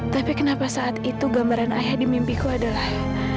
tapi kenapa saat itu gambaran ayah di mimpiku adalah